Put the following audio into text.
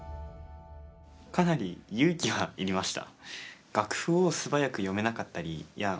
かなり勇気はいりました。